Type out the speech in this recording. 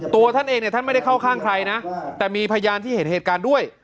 ตัวท่านเองเนี่ยท่านไม่ได้เข้าข้างใครนะแต่มีพยานที่เห็นเหตุการณ์ด้วย